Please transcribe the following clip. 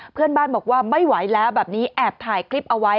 เพื่อนบ้านบอกว่าไม่ไหวแล้วแบบนี้แอบถ่ายคลิปเอาไว้